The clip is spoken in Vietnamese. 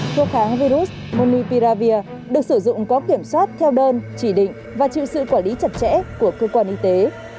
thuốc kháng virus monipiravir được sử dụng có kiểm soát theo đơn chỉ định và chịu sự quản lý chặt chẽ của cơ quan y tế